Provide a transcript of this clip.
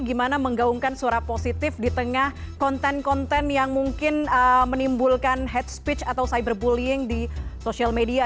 gimana menggaungkan suara positif di tengah konten konten yang mungkin menimbulkan head speech atau cyberbullying di sosial media